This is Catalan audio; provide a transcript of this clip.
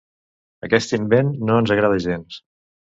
Aquest invent no ens agrada gens.